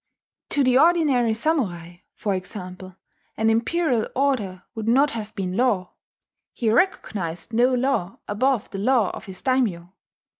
To the ordinary samurai, for example, an imperial order would not have been law: he recognized no law above the law of his daimyo.